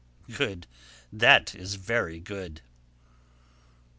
Good, that is, very good."